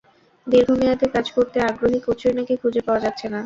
দীর্ঘ মেয়াদে কাজ করতে আগ্রহী কোচই নাকি খুঁজে পাওয়া যাচ্ছে না।